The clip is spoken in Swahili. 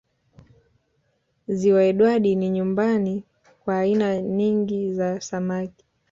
Ziwa Edward ni nyumbani kwa aina ningi za samaki